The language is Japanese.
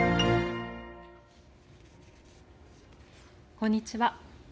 こんにちは。